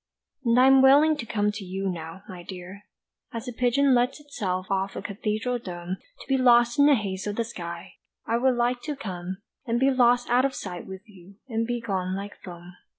And I am willing to come to you now, my dear, As a pigeon lets itself off from a cathedral dome To be lost in the haze of the sky, I would like to come, And be lost out of sight with you, and be gone like foam.